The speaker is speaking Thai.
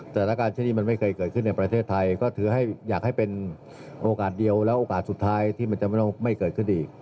สถานการณ์เช่นนี้มันไม่เคยเกิดขึ้นในประเทศไทยก็ถือให้อยากให้เป็นโอกาสเดียวแล้วโอกาสสุดท้ายที่มันจะไม่เกิดขึ้นอีก